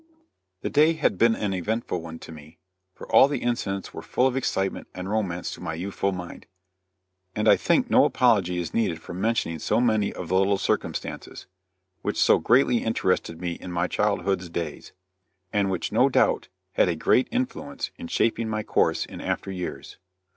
The day had been an eventful one to me, for all the incidents were full of excitement and romance to my youthful mind, and I think no apology is needed for mentioning so many of the little circumstances, which so greatly interested me in my childhood's days, and which no doubt had a great influence in shaping my course in after years.